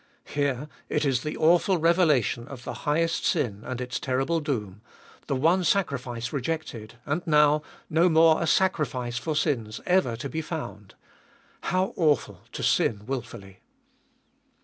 Here it is the awful revela tion of the highest sin and its terrible doom : the one sacrifice 404 abe Doliest of ail rejected, and now no more a sacrifice for sins ever to be found. How awful to sin wilfully.